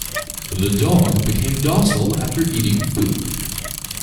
The dog became docile after eating food.